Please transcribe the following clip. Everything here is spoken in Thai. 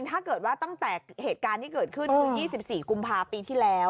ถ้าเกิดว่าตั้งแต่เหตุการณ์ที่เกิดขึ้นคือ๒๔กุมภาปีที่แล้ว